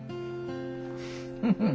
うん。